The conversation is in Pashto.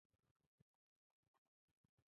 ایا ستاسو عطر به اصیل وي؟